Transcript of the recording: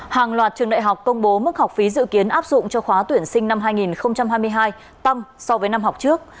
hàng loạt trường đại học công bố mức học phí dự kiến áp dụng cho khóa tuyển sinh năm hai nghìn hai mươi hai tăng so với năm học trước